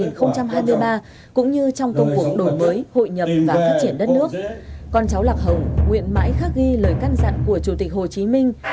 năm hai nghìn hai mươi ba cũng như trong công cuộc đổi mới hội nhập và phát triển đất nước con cháu lạc hồng nguyện mãi khắc ghi lời căn dặn của chủ tịch hồ chí minh